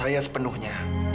yang menjawab saya sepenuhnya